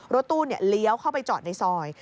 รถตู้เลี้ยวเข้าไปจอดในซอย